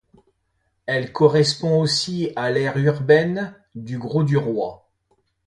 Elle correspond aussi à l'aire urbaine du Grau-du-Roi.